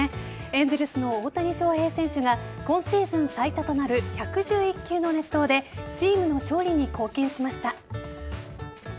エンゼルスの大谷翔平選手が今シーズン最多となる１１１球の熱投でチームの勝利に貢献しました。